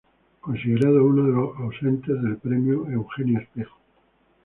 Considerado uno de los ausentes del premio Eugenio Espejo.